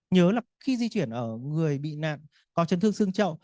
nhớ là khi di chuyển ở người bị nạn có chấn thương xương trậu